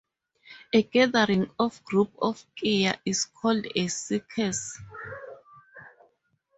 A gathering or group of kea is called a circus.